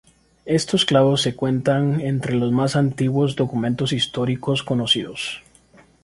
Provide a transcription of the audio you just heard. Estos clavos se cuentan entre los más antiguos documentos históricos conocidos.